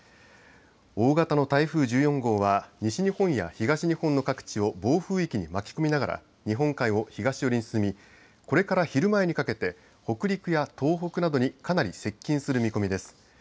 大型の台風１４号は西日本や東日本の各地を暴風域に巻き込みながら日本海を東寄りに進みこれから昼前にかけて北陸や東海などにかなり接近する見込みです。